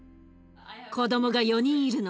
子どもが４人いるの。